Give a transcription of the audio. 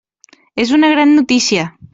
És una gran notícia.